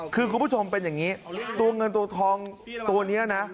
คือคุณผู้ชมเป็นอย่างนี้ตัวเงินตัวทองตัวนี้นะ